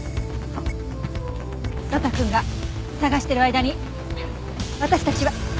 呂太くんが捜している間に私たちは。